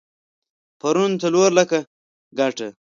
پرون څلور لکه ګټه؛